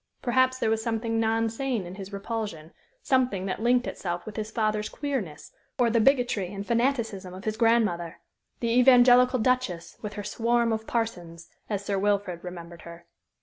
Perhaps there was something non sane in his repulsion, something that linked itself with his father's "queerness," or the bigotry and fanaticism of his grandmother, the Evangelical Duchess, with her "swarm of parsons," as Sir Wilfrid remembered her.